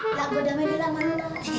nggak gua damai dia lah mak